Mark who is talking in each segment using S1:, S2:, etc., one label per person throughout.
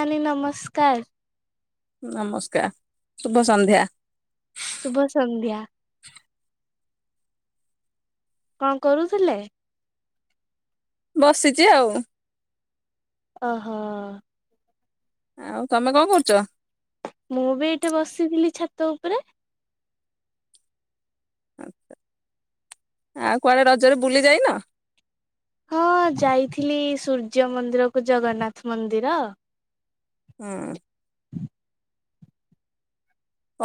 S1: ନାନି ନମସ୍କାର।
S2: ନମସ୍କାର ଶୁଭ ସନ୍ଧ୍ୟା।
S1: ଶୁଭ ସନ୍ଧ୍ୟା। କଣ କରୁଥିଲେ?
S2: ବସିଛି ଆଉ।
S1: ଅହୋ।
S2: ଆଉ ତମେ କଣ କରୁଚ?
S1: ମୁଁ ବି ଏଇଠେ ବସିଥିଲି ଛାତ ଉପରେ।
S2: ଆଉ କୁଆଡେ ରଜରେ ବୁଲି ଯାଇନ?
S1: ହଁ ଯାଇଥିଲି ସୂର୍ଯ୍ୟ ମନ୍ଦିର କୁ ଜଗନ୍ନାଥ ମନ୍ଦିର।
S2: ହଁ ଅଁ।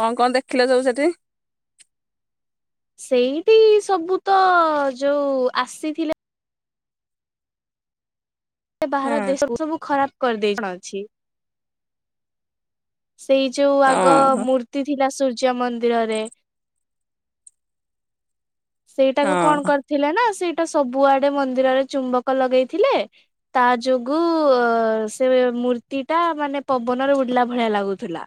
S2: କଣ କଣ ଦେଖିଲ ସବୁ ସେଠି?
S1: ସେଇଠି ସବୁ ତ ଯଉ ଆସିଥିଲା ସେ ବାହାର
S2: ହଁ
S1: ଦେଶ ସବୁ ଖରାପ କରିଦେଇ ଅଛି। ସେଇ ଯୋଉ ଆଗ
S2: ହଁ
S1: ମୂର୍ତ୍ତି ଥିଲା ସୂର୍ଯ୍ୟ ମନ୍ଦିରରେ ସେଇଟାକୁ କଣ
S2: ହଁ
S1: କରିଥିଲେ ନା ସେଇଟା ସବୁଆଡେ ମନ୍ଦିରରେ ଚୁମ୍ବକ ଲଗେଇଥିଲେ। ତା ଯୋଗୁ ଅ ସେ ମୂର୍ତ୍ତିଟା ମାନେ ପବନରେ ଉଡିଲା ଭଳିଆ ଲାଗୁଥିଲା।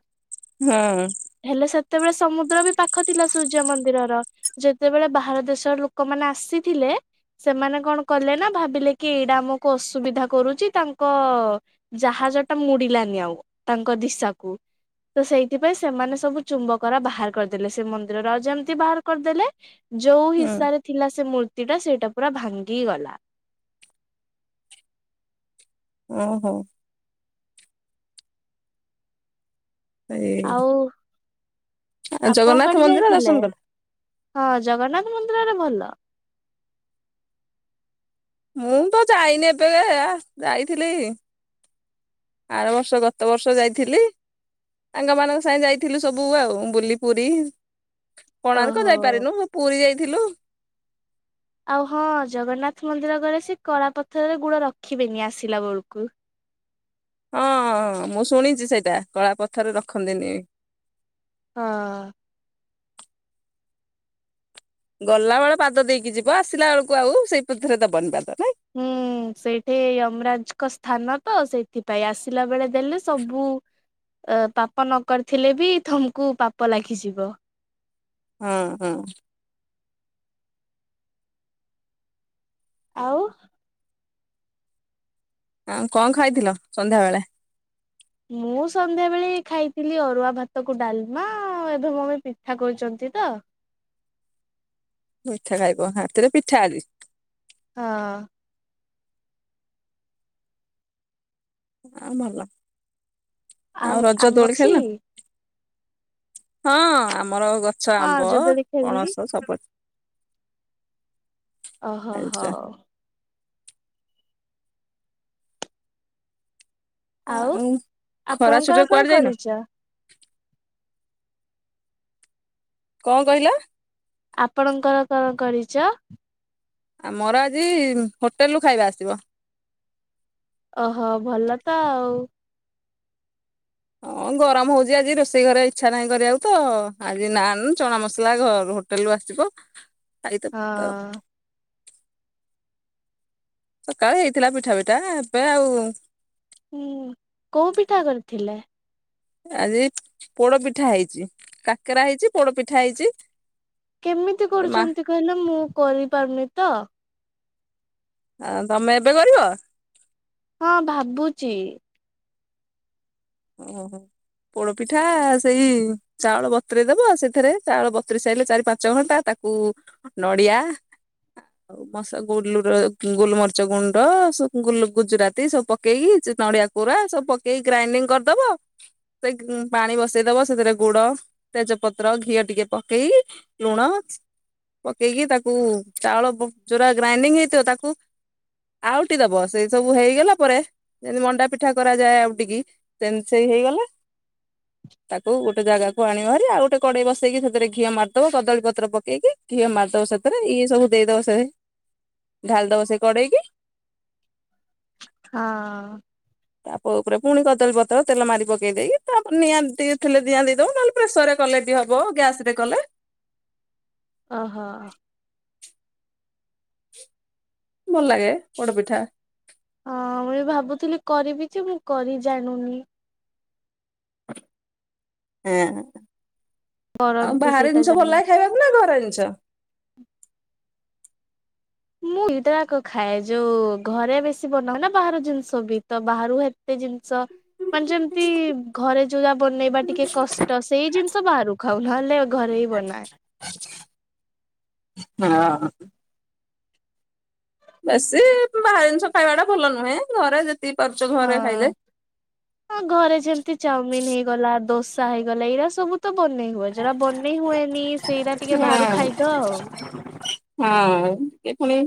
S2: ହୁଁ।
S1: ହେଲେ ସେତେବେଳେ ସମୁଦ୍ର ବି ପାଖ ଥିଲା ସୂର୍ଯ୍ୟ ମନ୍ଦିରର। ଯେତେବେଳେ ବାହାର ଦେଶର ଲୋକମାନେ ଆସିଥିଲେ ସେମାନେ କଣ କଲେ ନା ଭାବିଲେ କି ଏଇଟା ଆମକୁ ଅସୁ ସୁବିଧା କରୁଛି ତାଙ୍କ ଜାହାଜଟା ମୁଡିଲାନି ଆଉ ତାଙ୍କ ଦିଶାକୁ। ତ ସେଇଥିପାଇଁ ସେମାନେ ସବୁ ଚୁମ୍ବକରା ବାହାର କରିଦେଲେ ସେ ମନ୍ଦିରରେ ଆଉ ଯେମିତି ବାହାର କରିଦେଲେ ଯୋଉ
S2: ହଁ
S1: ହିସାରେ ଥିଲା ସେ ମୂର୍ତ୍ତିଟା ସେଇଟା ପୁରା ଭାଙ୍ଗି ଗଲା।
S2: ଓହୋ। ଏଇ
S1: ଆଉ ଆପଣ
S2: ଜଗନ୍ନାଥ
S1: କୁଆଡେ
S2: ମନ୍ଦିର
S1: ଯାଇଥିଲେ
S2: ଦର୍ଶନ କଲ?
S1: ହଁ ଜଗନ୍ନାଥ ମନ୍ଦିରରେ ଭଲ।
S2: ମୁଁ ତ ଯାଇନି ଏବେ ଯାଇଥିଲି ଆର ବର୍ଷ ଗତ ବର୍ଷ ଯାଇଥିଲି। ସାଙ୍ଗ ମାନଙ୍କ ସାଙ୍ଗେ ଯାଇଥିଲୁ ସବୁ ଆଉ ବୁଲି ପୁରୀ। କୋଣାର୍କ
S1: ଓହୋ।
S2: ଯାଇପାରିନୁ ପୁରୀ ଯାଇଥିଲୁ।
S1: ଆଉ ହଁ ଜଗନ୍ନାଥ ମନ୍ଦିର କରେ ସେ କଳା ପଥରରେ ଗୁଡ ରଖିବେନି ଆସିଲା ବେଳକୁ।
S2: ହଁ ମୁଁ ଶୁଣିଛି ସେଇଟା କଳା ପଥର ରେ ରଖନ୍ତିନି।
S1: ହଁ।
S2: ଗଲା ବେଳ ପାଦ ଦେଇକି ଯିବ ଆସିଲା ଏଳକୁ ଆଉ ସେଇ ପଥରେ ଦବନି ପାଦ ନାଇଁ।
S1: ହୁଁ। ସେଇଠି ୟମରାଜଙ୍କ ସ୍ଥାନ ତ ସେଇଥିପାଇଁ ଆସିଲା ବେଳେ ଦେଲେ ସବୁ ଅ ପାପ ନ କରିଥିଲେ ବି ତମକୁ ପାପ ଲାଗିଯିବ।
S2: ହଁ ହଁ।
S1: ଆଉ।
S2: ଆଁ କଣ ଖାଇଥିଲ ସନ୍ଧ୍ୟା ବଳେ?
S1: ମୁଁ ସନ୍ଧ୍ୟାବେେଳେ ଖାଇଥିଲି ଅରୁଆ ଭାତକୁ ଡାଲମା ଏବେ ମମି ପିଠା କଛନ୍ତି ତ।
S2: ମିଠା ଖାଇବ ହାତରେ ପିଠା ଆଜି।
S1: ହଁ।
S2: ହଁ ଭଲ ଆଉ ରଜ
S1: ଆମ୍ବ
S2: ଦୋଳି
S1: ଅଛି
S2: ଖେଳିନ? ହଁ ଆମର ଗଛ
S1: ହଁ
S2: ଆମ୍ବ
S1: ରଜ ଦୋଳି ଖେଳିଲି।
S2: ପଣସ ସବୁ ଅ
S1: ଓହୋ
S2: ଖାଇଚ
S1: ହଉ। ଆଉ
S2: ଖରା ଛୁଟିରେ
S1: ଆପଣଙ୍କର କଣ
S2: କୁଆଡେ ଯାଇନ?
S1: କରୁଚ?
S2: କଣ କହିଲ?
S1: ଆପଣଙ୍କର କଣ କରୁଚ?
S2: ଆମର ଆଜି ହୋଟେଲରୁୁ ଖାଇବା ଆସିବ।
S1: ଓହୋ ଭଲ ତ ଆଉ।
S2: ହଁ ଗରମ ହଉଚି ଆଜି ରୋଷେଇ କରିବା ଇଚ୍ଛା ନାହିଁ କରିବାକୁ ତ, ଆଜି ନାନ୍ ଚଣା ମସଲା ଘରୁହ ହୋଟେଲରୁ ଆସିବ। ଆଇତ ତ
S1: ହଁ।
S2: ସକାଳେ ହେଇଥିଲା ପିଠା ପିଠା ଏବେ ଆଉ
S1: ହୁଁ କୋଉ ପିଠା କରିଥିଲେ?
S2: ଆଜି ପୋଡପିଠା ହେଇଚି। କାକେରା ହେଇଚି, ପୋଡପିଠା ହେଇଚି।
S1: କେମିତି କରୁଚନ୍ତି କହିଲେ ମୁଁ କରିପାରୁନି ତ?
S2: ଆ ତମେ ଏବେ କରିବ?
S1: ହଁ ଭାବୁଚି।
S2: ଓହୋ ପୋଡ ପିଠା ସେଇ ଚାଉଳ ବତରେଇ ଦବ। ସେଥିରେ ଚାଉଳ ବତୁରୀ ସାରିଲେ ଚାରି ପାଞ୍ଚ ଘଣ୍ଟା ତାକୁ ନଡ଼ିଆ ଆଉ ମସା ଗୁଲୁର ଗୋଲମରିଚ ଗୁଣ୍ଡ ସବୁ ଗୁଲ ଗୁଜୁରାତି ସବୁ ପକେଇ ସେ ନଡିଆକୁ ପୁର ସବୁ ପକେଇକି ଗ୍ରାଇଣ୍ଡିଙ୍ଗ କରିଦବ। ସେ ପାଣି ବସେଇ ଦବ, ସେଥିରେ ଗୁଡ, ତେଜପତ୍ର, ଘିଅ ଟିକେ ପକେଇ ଲୁଣ ପକେଇକି ତାକୁ ଚାଉଳ ପ ଯୋଉରା ଗ୍ରାଇଣ୍ଡିଙ୍ଗ ହେଇଥିବ ତାକୁ ଆଉଠି ଦବ। ସେଇ ସବୁ ହେଇଗଲା ପରେ ଯେମିତି ମଣ୍ଡା ପିଠା କରାଯାଏ ଆଉ ଟିକି ସେମିତି ସେଇ ହେଇଗଲା।
S1: [inaudible]
S2: ତାକୁ ଗୋଟେ ଜାଗାକୁ ଆଣିବ ହରି ଆଉ ଗୋଟେ କଡେଇ ବସେଇକି ସେଥିରେ ଘିଅ ମାରିଦବ କଦଳୀ ପତ୍ର ପକେଇକି ଘିଅ ମାରିଦବ ସେଥିରେ। ଇଏ ସବୁ ଦେଇଦବ ସେ ଢାଳି ଦବ ସେ କଡେଇକି।
S1: ହଁ।
S2: ତାପ ଉପରେ ପୁଣି କଦଳୀ ପତ୍ରର ତେଲ ମାରି ପକେଇ ଦେଇକି ତାପରେ ନିଆଁ ଦେଇ ଥିଲେ ଦ ନିଆଁ ଦେଇଦଉ ନହେଲେ ପ୍ରେସରରେ କଲେ ବି ହବ ଗ୍ୟାସ ରେ କଲେ
S1: ଓହୋ।
S2: ଭଲ ଲାଗେ ପୋଡ଼ ପିଠା।
S1: ହଁ ମୁଁ ବି ଭାବୁଥିଲି କରିବି ଯେ ମୁଁ କରି ଜାଣୁନି।
S2: ହଁ ଆଉ
S1: କରନ୍ତି
S2: ବାହର
S1: ସେଇଟା
S2: ଜିନିଷ ଭଲ
S1: ଜାଣିନି।
S2: ଲାଗେ ଖାଇବାକୁ ନା ଘର ଜିନିଷ?
S1: ମୁଁ ଦିଟା ଯାକ ଖାଏ ଯୋଉ ଘରେ ବେଶୀ ବନା ହୁଏନା ବାହାର ଜିନିଷ ବି ତ ବାହରୁ ହେକ୍ କେତେ ଜିନିଷ ମାନେ ଯେମିତି ଘରେ ଯୋଉ ଯା ବନେଇବା ଟିକେ କଷ୍ଟ ସେଇ ଜିନିଷ ବାହାରୁ ଖାଉ ନହେଲେ ଘରେ ହିଁ ବନାଏ।
S2: ଆଛା। ହଁ। ବେଶୀ ବାହାର ଜିନିଷ ଖାଇବାଟା ଭଲ ନୁହେଁ ଘରେ ଯେତି ପିଇ ପାରୁଚ
S1: ହଁ ହଁ ଘରେ ଯେମତି ଚଉମିିନ ହେଇଗଲା, ଆ ଦୋସା ହେଇଗଲା ଏଇରା ସବୁ ତ ବନେଇ ହୁଏ। ଯଉଟା ବନେଇ ହୁଏନି ସେଇଟା ଟିକେ ବାହାରୁ
S2: ହଁ
S1: ଖାଇଦ ଆଉ।
S2: ହଁ ଏ ପୁଣି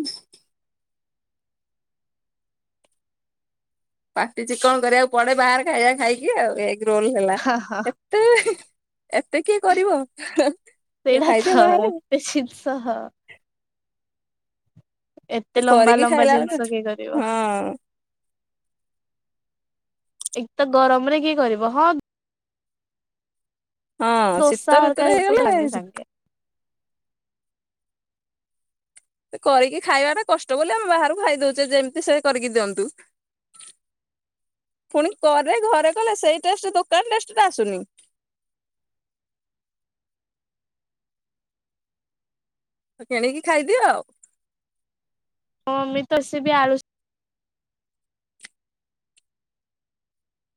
S2: ପାଟି ଚିକଣ କରିବାକୁ ପଡେ ବାହାରେ ଖାଇବା ଖାଇକି ଆଉ ଏ ରୋଲ ହେଲା
S1: ହା ହା
S2: ଏତେ ଏତେ କିଏ କରିବ?
S1: ସେଇ
S2: ଖାଇଦିଅ
S1: ଭାତ
S2: ବାହାରେ।
S1: ଏବେ ଶିର୍ ସହ ଏତେ
S2: ସେ
S1: ଲମ୍ବା
S2: କରିକି
S1: ଲମ୍ବା
S2: ଖାଇଲା
S1: ଜିନଷ
S2: ବେଳକୁ
S1: କିଏ କରିବ?
S2: ହଁ
S1: ଏକେତ ଗରମରେ କିଏ କରିବ ହଁ
S2: ହଁ ଶୀତ
S1: ଦୋସା ହରକା
S2: ଋତୁରେ
S1: ହେଇ ତ
S2: ହେଇଗଲେ
S1: ସାଙ୍ଗେ
S2: ଶୀ
S1: ସାଙ୍ଗେ
S2: ଏ କରିକି ଖାଇବାଟା କଷ୍ଟ ବୋଲି ଆମେ ବାହାରକୁ ଖାଇ ଦଉଚେ ଯେମତି ସେ କରିକି ଦିଅନ୍ତୁ। ଫୁଣି କରେ ଘରେ କଲେ ସେଇ ଟେଷ୍ଟ ଦୋକାନ ଟେଷ୍ଟ ଟା ଆସୁନି। ତ କିଣିକି ଖାଇଦିଅ ଆଉ।
S1: ହଁ ଅମିତ ସି ବି ଆଳୁ ଶା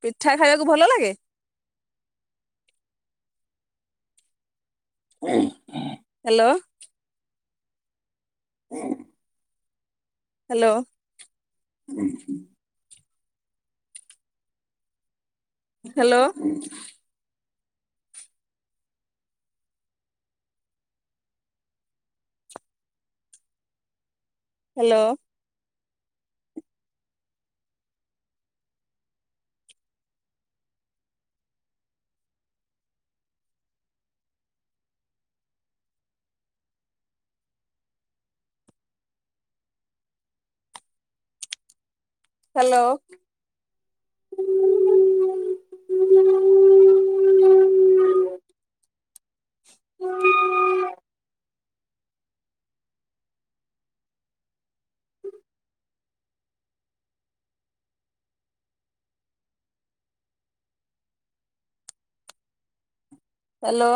S2: ପିଠା ଖାଇଆକୁ ଭଲ ଲାଗେ ହାଲୋ। ହୁଁ। Hello. Hello. Hello. Hello. Hello.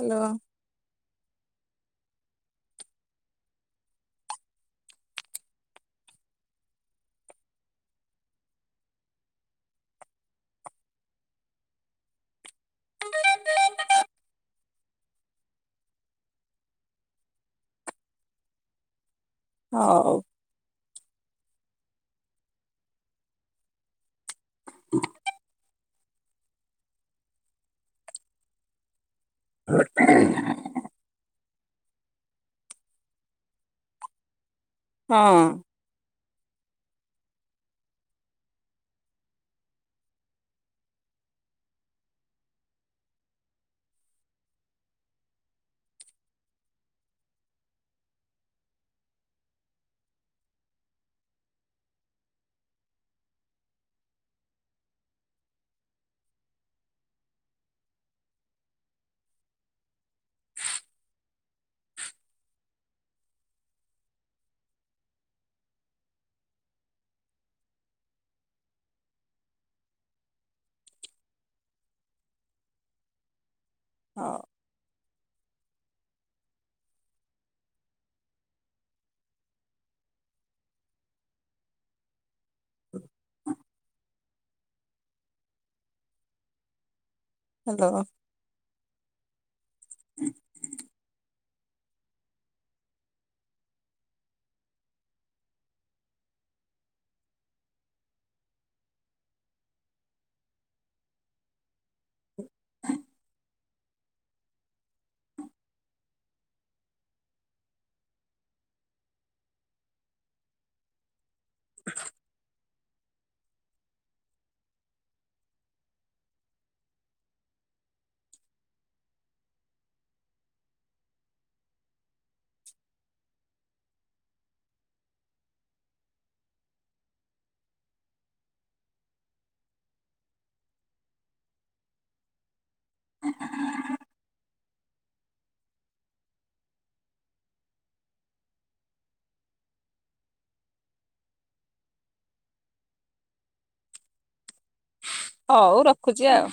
S2: Hello. ହଉ। ହଁ। ହଉ। [inaudible] ହାଲୋ। [inaudible] [inaudible] [unintelligible] ହଉ ରଖୁଚି ଆଉ।